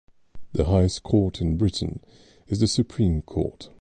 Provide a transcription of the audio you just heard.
The highest Court in Britain is the Supreme Court.